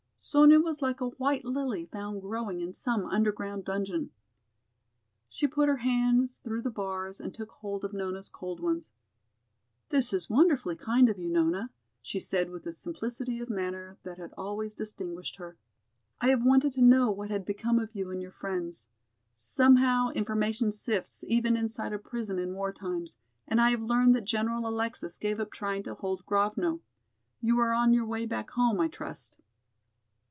Sonya was like a white lily found growing in some underground dungeon. She put her hands through the bars and took hold of Nona's cold ones. "This is wonderfully kind of you, Nona?" she said with the simplicity of manner that had always distinguished her. "I have wanted to know what had become of you and your friends. Somehow information sifts even inside a prison in war times, and I have learned that General Alexis gave up trying to hold Grovno. You are on your way back home, I trust."